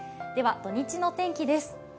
土日の天気です。